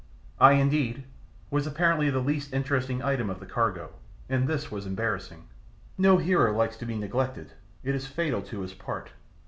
I, indeed, was apparently the least interesting item of the cargo, and this was embarrassing. No hero likes to be neglected, it is fatal to his part.